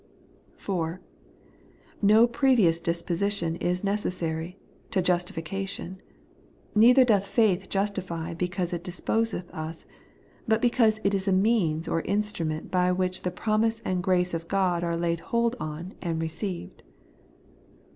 4. No previous disposition is necessary to justi fication ; neither doth faith justify because it dis poseth us, but because it is a means or instrument by which the promise and grace of God are laid hold on and received.